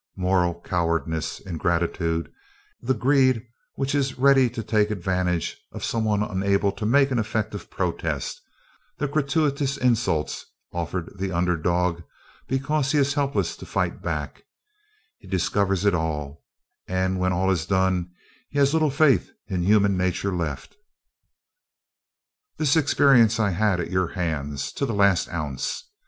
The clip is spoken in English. Moral cowardice, ingratitude, the greed which is ready to take advantage of some one unable to make an effective protest, the gratuitous insults offered the 'under dog' because he is helpless to fight back he discovers it all, and when all is done he has little faith in human nature left. "This experience I had at your hands, to the last ounce.